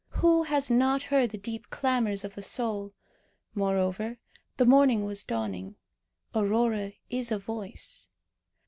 Who has not heard the deep clamours of the soul? Moreover, the morning was dawning. Aurora is a voice.